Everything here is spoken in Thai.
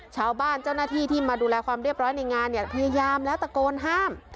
ชาวบ้านเจ้าหน้าที่ที่มาดูแลความเรียบร้อยในงานเนี่ยพยายามแล้วตะโกนห้าม